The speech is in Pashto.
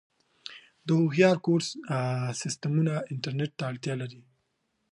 د هوښیار کور سیسټمونه انټرنیټ ته اړتیا لري.